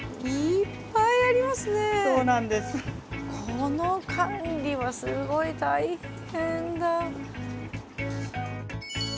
この管理はすごい大変だ。